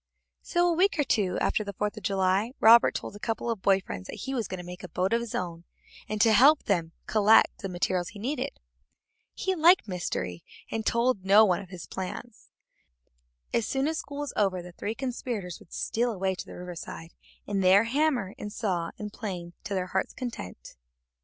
So, a week or two after the Fourth of July, Robert told a couple of boy friends that he was going to make a boat of his own, and got them to help him collect the materials he needed. He liked mystery, and told them to tell no one of his plans. As soon as school was over the three conspirators would steal away to the riverside, and there hammer and saw and plane to their hearts' content.